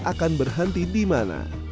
akan berhenti di mana